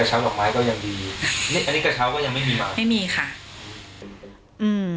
กระเช้าหลักไม้ก็ยังดีอันนี้กระเช้าก็ยังไม่มีหรอไม่มีค่ะอืม